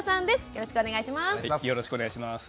よろしくお願いします。